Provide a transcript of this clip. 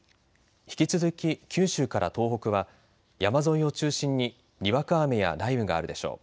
引き続き九州から東北は山沿いを中心ににわか雨や雷雨があるでしょう。